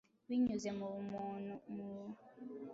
binyuze mu buntu n’imbaraga bya Kristo.